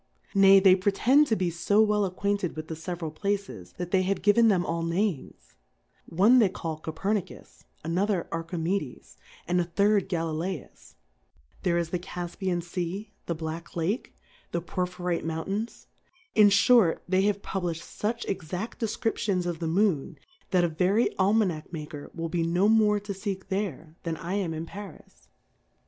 Nay, they pre tend tQ be fo well acquainted with the fjveral Pkces, that they have given them all Names ; one they call Cofer iiictfSj another Jrckrme^lesy and a third' Galikus\ there is the CaJjyianSea^ the Black Lctke^ the Porj^hirite Mount ai7is\ m fliort, they have publiQi'd fuch ex ad Defcriptions of the Moon, that a very Almanack maker will be no more to feek tliere, than 1 am m Paris.